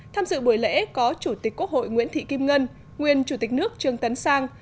tham dự buổi lễ có chủ tịch quốc hội nguyễn thị kim ngân nguyên chủ tịch nước trương tấn sang